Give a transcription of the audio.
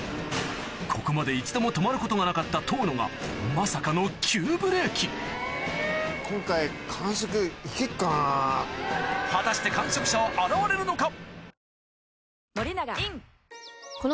ここまで一度も止まることがなかった遠野がまさかの果たして完食者は現れるのか？